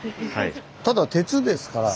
ただ鉄ですから。